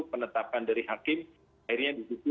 penetapan dari hakim akhirnya